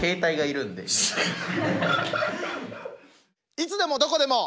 「いつでもどこでも」。